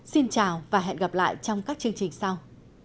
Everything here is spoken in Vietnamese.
xin chào và hẹn gặp lại trong các chương trình sau